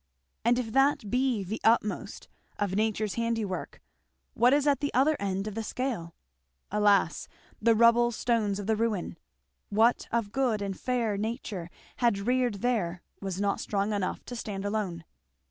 And if that be the utmost, of nature's handiwork, what is at the other end of the scale? alas! the rubble stones of the ruin; what of good and fair nature had reared there was not strong enough to stand alone.